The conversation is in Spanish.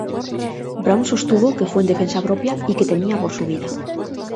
Brown sostuvo que fue en defensa propia y que temía por su vida.